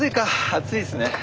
暑いっすね。